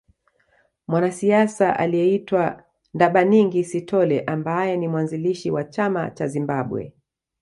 Mwanasiasa aliyeitwa Ndabaningi Sithole ambaye ni mwanzilishi wa chama cha Zimbabwe